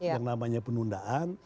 yang namanya penundaan